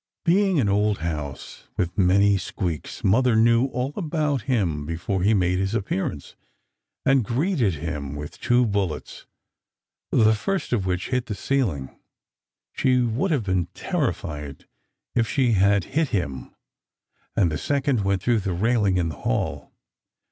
Being an old house with many squeaks, Mother knew all about him before he made his appearance, and greeted him with two bullets, the first of which hit the ceiling (she would have been terrified if she had hit him), and the second went through the railing in the hall.